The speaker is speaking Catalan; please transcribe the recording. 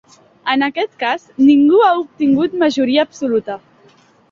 En aquest cas, ningú ha obtingut majoria absoluta.